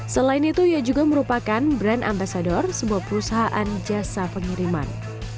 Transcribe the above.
selain itu ia juga merupakan brand ambasador sebuah perusahaan jasa pengiriman